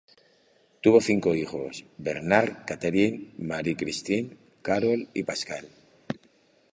Tuvo cinco hijos: Bernard, Catherine, Marie-Christine, Carole y Pascal.